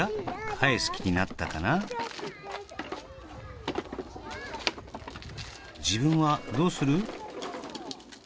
返す気になったかな自分はどうする？